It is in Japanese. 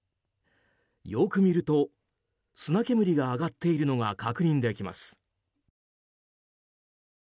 よく見ると砂煙が上がっているのが確認できます。